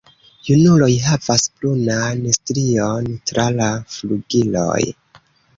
Junuloj havas brunan strion tra la flugiloj.